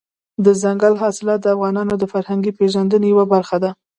دځنګل حاصلات د افغانانو د فرهنګي پیژندنې یوه برخه ده.